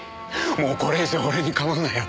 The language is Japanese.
もうこれ以上俺に構うなよ。